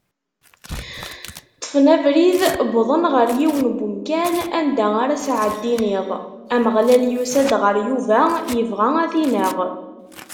Ṭṭfen abrid, wwḍen ɣer yiwen n wemkan anda ara sɛeddin iḍ, Ameɣlal yusa-d ɣer Yuba, ibɣa ad t-ineɣ.